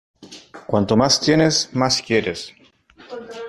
Cuanto más tienes más quieres.